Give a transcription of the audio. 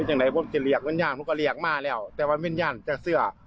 ทุกคนจะเหลียกวิญญาณทุกคนเหลียกมาแล้วแต่ว่าวิญญาณจะเสื้อ